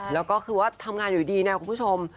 แล้วก็คือว่าทำงานอยู่ดีเนี่ยคุณผู้ชม